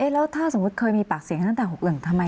แล้วถ้าสมมติเคยมีปากเสียงตั้งแต่๖อึ่ง